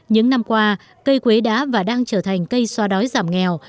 những năm qua cây quế đã và đang trở thành cây xoa đói giảm nghèo